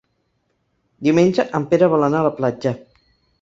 Diumenge en Pere vol anar a la platja.